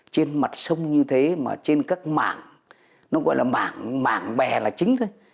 trên mặt sông như thế mà trên các mảng nó gọi là bảng mảng bè là chính thôi